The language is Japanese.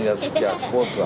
スポーツは。